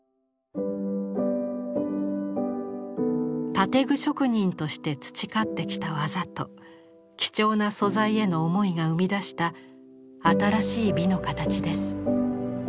建具職人として培ってきた技と貴重な素材への思いが生み出した新しい美の形です。